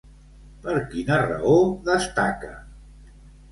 Per quina raó destaca?